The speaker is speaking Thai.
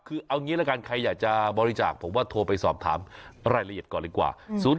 คือเอางี้ละกันใครอยากจะบริจาคผมว่าโทรไปสอบถามรายละเอียดก่อนดีกว่า